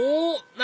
何？